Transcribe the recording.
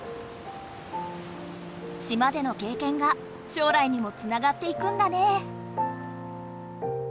島でのけいけんが将来にもつながっていくんだね。